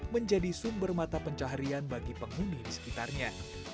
menjadi sumber mata pencaharian bagi penghuni di sekitarnya